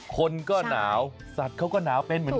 คนก็หนาวสัตว์เขาก็หนาวเป็นเหมือนกัน